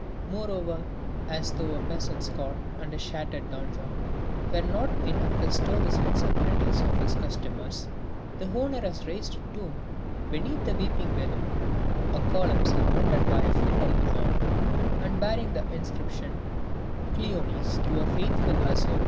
Moreover, as though a peasant's cot and a shattered donjon were not enough to stir the sensibilities of his customers, the owner had raised a tomb beneath a weeping willow, a column surmounted by a funeral urn and bearing the inscription: "Cléonice to her faithful Azor."